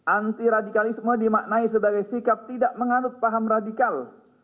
anti radikalisme dimaknai sebagai sikap tidak menganut paham radikal